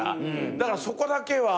だからそこだけは。